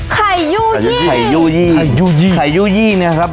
ไข่ยู่อันนี้ไข่ยู่ยี่ไข่ยู่ยี่ไข่ยู่ยี่นะครับ